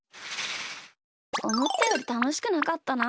おもったよりたのしくなかったな。